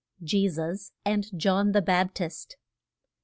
JESUS AND JOHN THE BAPTIST.